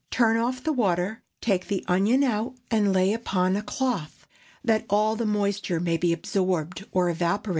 Turn off the water, take the onions out and lay upon a cloth, that all the moisture may be absorbed or evaporate.